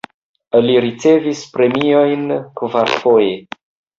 Li ricevis premiojn kvarfoje.